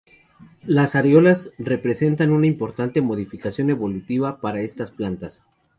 Las areolas representan una importante modificación evolutiva para estas plantas.